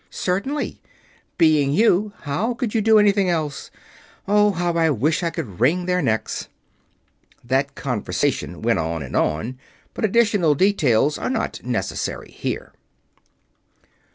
"Certainly. Being you, how can you do anything else? Oh, how I wish I could wring their necks!" That conversation went on and on, but additional details are not necessary here.